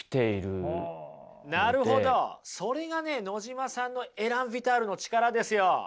それがね野島さんのエラン・ヴィタールの力ですよ。